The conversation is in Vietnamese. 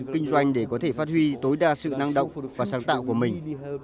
kinh doanh để có thể phát huy tối đa sự năng động và sáng tạo của mình